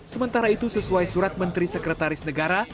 sementara itu sesuai surat menteri sekretaris negara